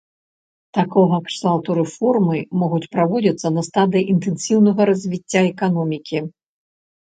Такога кшталту рэформы могуць праводзіцца на стадыі інтэнсіўнага развіцця эканомікі.